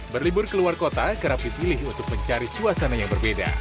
berlibur ke luar kota kerap dipilih untuk mencari suasana yang berbeda